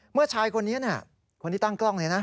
เมื่อชายคนนี้คนที่ตั้งกล้องเลยนะ